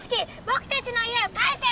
僕たちの家を返せ！